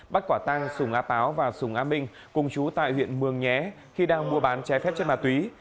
bắt quả tang sùng á páo và sùng á minh cùng chú tại huyện mường nhé khi đang mua bán trái phép trên ma túy